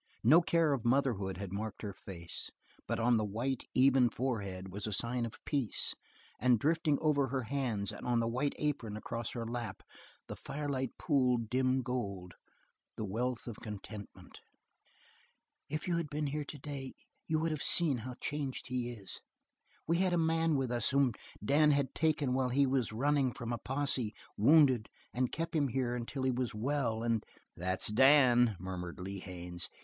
No care of motherhood had marked her face, but on the white, even forehead was a sign of peace; and drifting over her hands and on the white apron across her lap the firelight pooled dim gold, the wealth of contentment. "If you'd been here today you would have seen how changed he is. We had a man with us whom Dan had taken while he was running from a posse, wounded, and kept him here until he was well, and " "That's Dan," murmured Lee Haines.